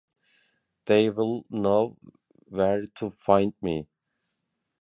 They'll know where to find me.